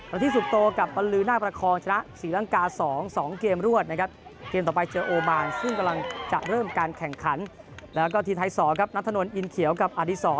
ละที่สุบโตกับบรรลือหน้าประคองชนะ๔รังกา๒๒เกมรวรรดิ์